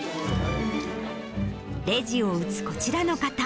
レジを打つ、こちらの方。